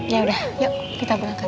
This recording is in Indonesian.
ya udah yuk kita gunakan